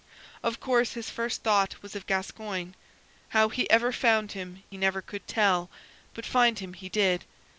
Of course his first thought was of Gascoyne. How he ever found him he never could tell, but find him he did.